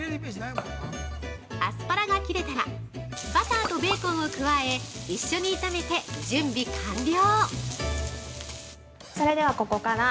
◆アスパラが切れたらバターとベーコンを加え一緒に炒めて準備完了！